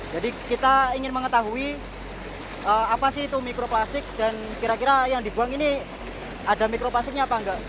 jadi kita ingin mengetahui apa sih itu mikroplastik dan kira kira yang dibuang ini ada mikroplastiknya apa enggak